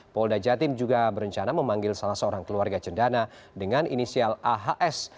polda jatim juga berencana memanggil salah seorang keluarga cendana dengan inisial ahs